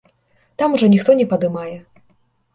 Там ужо ніхто не падымае.